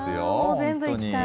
全部行きたい。